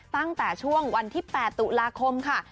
ตั้งแต่ช่วงวันที่๘ตุลาคมค่ะ